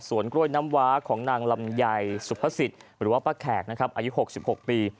กล้วยน้ำว้าของนางลำไยสุภาษิตหรือว่าป้าแขกนะครับอายุ๖๖ปี